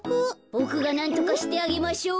ボクがなんとかしてあげましょう。